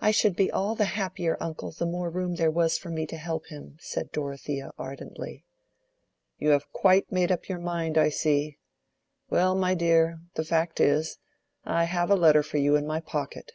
"I should be all the happier, uncle, the more room there was for me to help him," said Dorothea, ardently. "You have quite made up your mind, I see. Well, my dear, the fact is, I have a letter for you in my pocket."